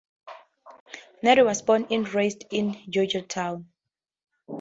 Nedd was born and raised in Georgetown.